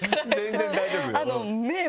全然大丈夫よ。